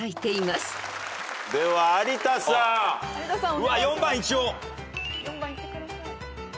うわっ４番一応。